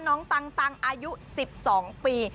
น้องตังอายุ๑๒ปี